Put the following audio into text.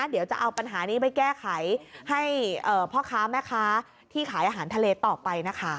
เดี๋ยวจะเอาปัญหานี้ไปแก้ไขให้พ่อค้าแม่ค้าที่ขายอาหารทะเลต่อไปนะคะ